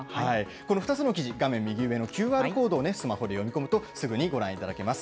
この２つの記事、画面右上のＱＲコードをスマホで読み込むと、すぐにご覧いただけます。